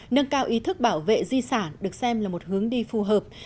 nâng cao ý thức bảo vệ di sản được xem là một hướng đi phù hợp